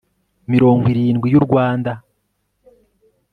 mirongo irindwi y u Rwanda Frw